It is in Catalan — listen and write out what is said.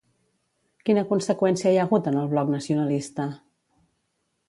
Quina conseqüència hi ha hagut en el Bloc Nacionalista?